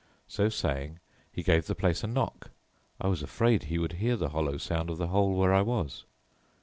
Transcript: So saying he gave the place a knock. I was afraid that he would hear the hollow sound of the hole where I was.